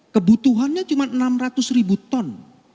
kebutuhannya cuma enam ratus ribu ton